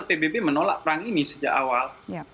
pbb menolak perang ini sejak awal